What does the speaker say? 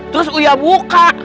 terus uya buka